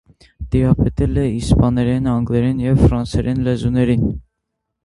Տիրապետել է իսպաներեն, անգլերեն և ֆրանսերեն լեզուներին։